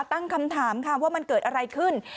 ตั้งคำถามค่ะว่ามันเกิดอะไรขึ้น